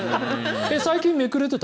最近めくれてた？